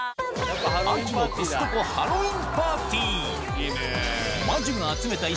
秋のコストコハロウィーンパーティー。